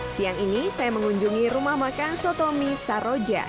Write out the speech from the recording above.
siang ini saya mengunjungi rumah makan sotomi saroja